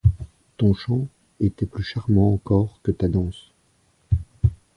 Ton chant était plus charmant encore que ta danse.